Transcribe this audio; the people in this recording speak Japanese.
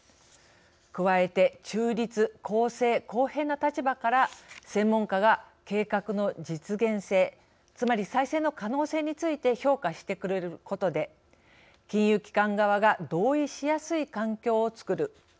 加えて中立・公正・公平な立場から専門家が計画の実現性、つまり再生の可能性について評価してくれることで金融機関側が同意しやすい環境をつくる。